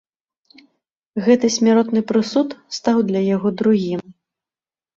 Гэты смяротны прысуд стаў для яго другім.